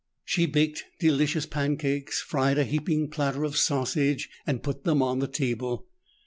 She baked delicious pancakes, fried a heaping platter of sausage and put them on the table.